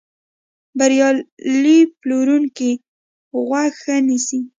بریالی پلورونکی غوږ ښه نیسي.